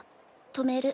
止める。